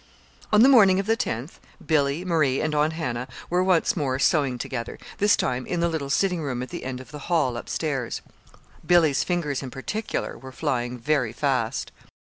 On the morning of the tenth, Billy, Marie, and Aunt Hannah were once more sewing together, this time in the little sitting room at the end of the hall up stairs. Billy's fingers, in particular, were flying very fast.